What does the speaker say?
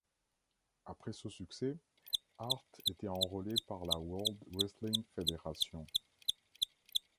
Après ce succès, Hart était enrôlé par la World Wrestling Federation.